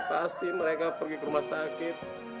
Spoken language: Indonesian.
pasti mereka pergi ke rumah sakit